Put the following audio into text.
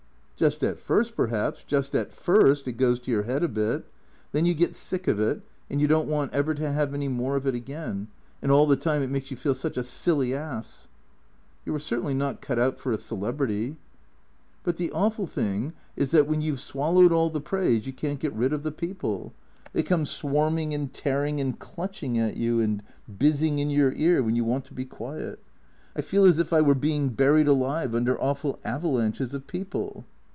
" Just at first, perhaps, just at first it goes to your head a bit. Then you get sick of it, and you don't want ever to have any more of it again. And all the time it makes you feel such a silly ass." " Yon were certainly not cut out for a celebrity." " But the awful thing is that when you 've swallowed all the praise you can't get rid of the people. They come swarming and tearing and clutching at you, and bizzing in your ear when you want to be quiet. I feel as if I were being buried alive under awful avalanches of people."